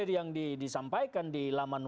yang disampaikan di laman